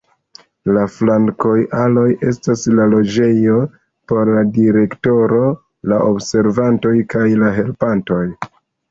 La flankaj aloj estas la loĝejo por la direktoro, la observantoj kaj la helpantoj.